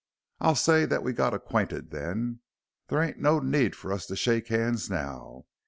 "I'll say that we got acquainted then. There ain't no need for us to shake hands now."